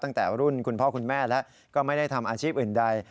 ตั้งแต่รุ่นคุณพ่อคุณแม่แล้วก็ไม่ได้ทำอาชีพอื่นใด